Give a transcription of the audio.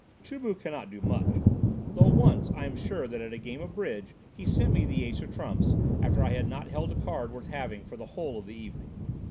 Chu bu cannot do much, though once I am sure that at a game of bridge he sent me the ace of trumps after I had not held a card worth having for the whole of the evening.